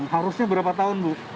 harusnya berapa tahun bu